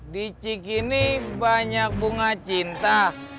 di cik ini banyak bunga cinta